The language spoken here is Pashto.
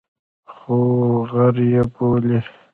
خو غر یې بولي.